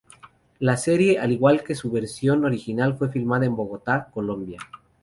La serie al igual que su versión original es filmada en Bogotá, Colombia.